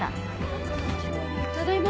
ただいま。